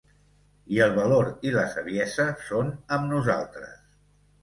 I el valor i la saviesa són amb nosaltres.